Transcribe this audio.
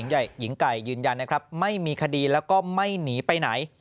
หญิงไก่ยืนยันนะครับไม่มีคดีแล้วก็ไม่หนีไปไหน